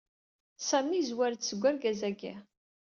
Sami yezwar-d seg wergaz-agi.